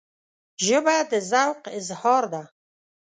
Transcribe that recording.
ژبه د ذوق اظهار ده